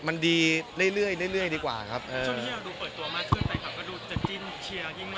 ช่วงที่เราดูเปิดตัวมากขึ้นไปก็ดูจะจิ้นเชียร์ยิ่งมาก